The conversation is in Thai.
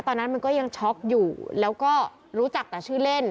ตอนนั้นมันก็ยังช็อกอยู่แล้วก็รู้จักแต่ชื่อเล่น